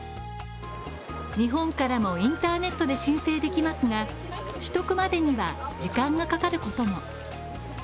日本からもインターネットで申請できますが、取得までには時間がかかることも。